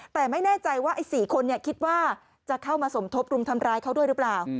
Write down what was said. แต่ไม่แน่ใจว่าไอ้๔คนคิดว่าจะเข้ามาสมทบรุมทำร้ายเขาด้วยหรือเปล่า